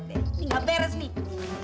ini gak beres nih